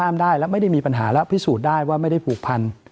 ได้แล้วไม่ได้มีปัญหาแล้วพิสูจน์ได้ว่าไม่ได้ผูกพัน